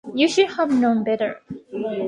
You should have known better.